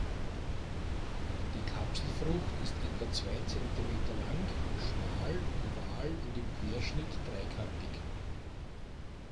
Die Kapselfrucht ist etwa zwei Zentimeter lang, schmal oval und im Querschnitt dreikantig.